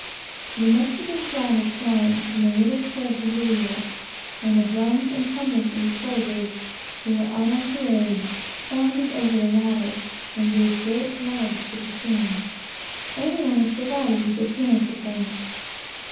The Mexican flag was flying from the little square Presidio, and the drums and trumpets of the soldiers, who were out on parade, sounded over the water, and gave great life to the scene. Every one was delighted with the appearance of things.